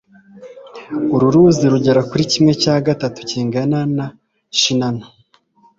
uru ruzi rugera kuri kimwe cya gatatu kingana na shinano